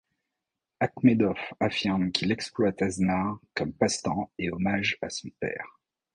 Akhmedov affirme qu'il exploite AzNar comme passe-temps et hommage à son père.